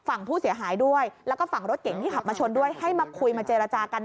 ฝั่งผู้เสียหายด้วยแล้วก็ฝั่งรถเก๋งที่ขับมาชนด้วยให้มาคุยมาเจรจากัน